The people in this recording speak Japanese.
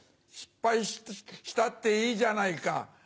失敗したっていいじゃないか。